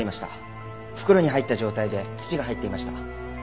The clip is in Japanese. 袋に入った状態で土が入っていました。